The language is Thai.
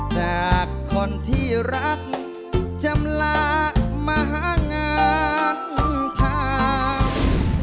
จากคนที่รักจำละมหางานทาง